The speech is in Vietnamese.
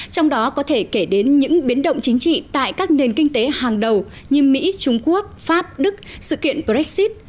trong đó có thể kể đến những biến động chính trị tại các nền kinh tế hàng đầu như mỹ trung quốc pháp đức sự kiện brexit